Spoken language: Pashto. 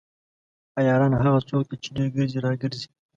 عیاران هغه څوک دي چې ډیر ګرځي راګرځي.